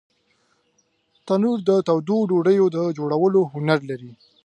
تنور د تودو ډوډیو د جوړولو هنر لري